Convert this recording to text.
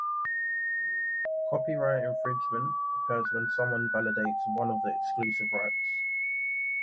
Copyright infringement occurs when someone violates one of the exclusive rights.